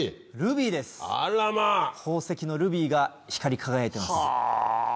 宝石のルビーが光り輝いてます。